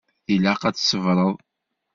Ilaq ad tṣebreḍ?